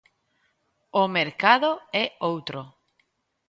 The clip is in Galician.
O mercado é outro.